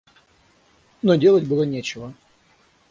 Но делать было нечего.